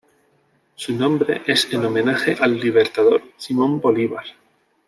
Su nombre es en homenaje al Libertador Simón Bolívar.